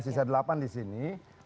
sisa delapan disini